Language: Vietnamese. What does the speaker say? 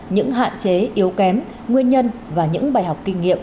những hạn chế yếu kém nguyên nhân và những bài học kinh nghiệm